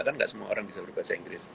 kan nggak semua orang bisa berbahasa inggris